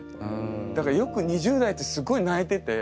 だからよく２０代ってすごい泣いてて。